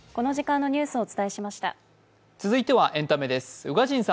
続いてはエンタメです。